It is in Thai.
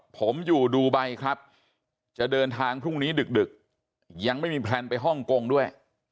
ผมอยู่ดูไบครับจะเดินทางพรุ่งนี้ดึกยังไม่มีแพลนไปฮ่องกงด้วย